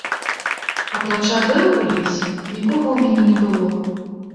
Апрача дрэў у лесе, нікога ў мяне не было.